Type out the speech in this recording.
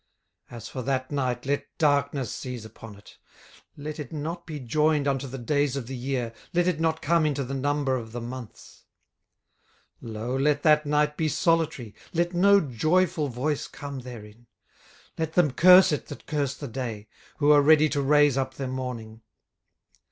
18:003:006 As for that night, let darkness seize upon it; let it not be joined unto the days of the year, let it not come into the number of the months. 18:003:007 Lo, let that night be solitary, let no joyful voice come therein. 18:003:008 Let them curse it that curse the day, who are ready to raise up their mourning.